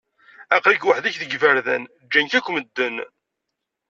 Aql-ik weḥd-k deg iberdan, ǧǧan-k akk medden.